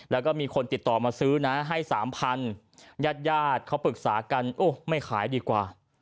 แล้วก็มีคนติดต่อมาซื้อนะให้๓๐๐ญาติเขาปรึกษากันโอ้ไม่ขายดีกว่า